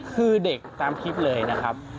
คือเด็กตามคลิปเลยนะครับ